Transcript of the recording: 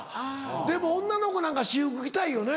でも女の子なんかは私服着たいよね。